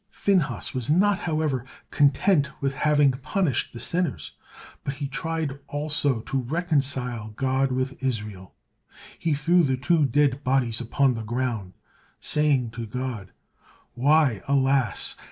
Phinehas was not, however, content with having punished the sinners, but tried also to reconcile God with Israel. He threw the two dead bodies upon the ground, saying to God, "Why, alas!